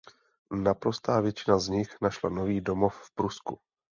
Naprostá většina z nich našla nový domov v Prusku.